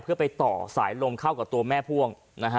เพื่อไปต่อสายลมเข้ากับตัวแม่พ่วงนะฮะ